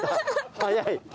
早い。